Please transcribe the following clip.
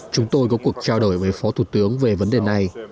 chúng tôi có cuộc trao đổi với phó thủ tướng về vấn đề này